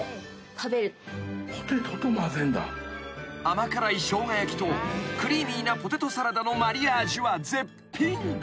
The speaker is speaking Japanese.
［甘辛い生姜焼きとクリーミーなポテトサラダのマリアージュは絶品］